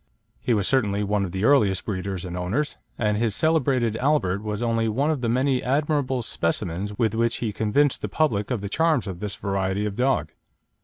He was certainly one of the earliest breeders and owners, and his celebrated Albert was only one of the many admirable specimens with which he convinced the public of the charms of this variety of dog.